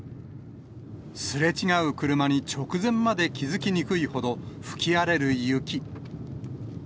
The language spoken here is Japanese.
すれ違う車に直前まで気付きにくいほど、吹き荒れる雪。